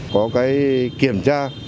có cái kiểm tra